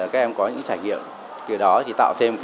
các em có những trải nghiệm